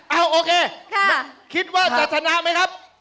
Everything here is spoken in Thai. โอเคคิดว่าจะชนะไหมครับ